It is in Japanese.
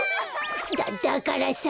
だだからさ！